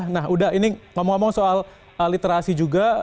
nah udah ini ngomong ngomong soal literasi juga